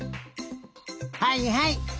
はいはい。